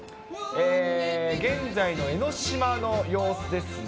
現在の江の島の様子ですね。